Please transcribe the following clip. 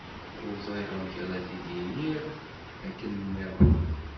Ur ẓriɣ amek ara t-id-ininɣ akken nniḍen.